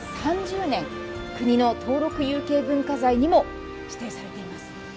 国の登録有形文化財にも指定されています。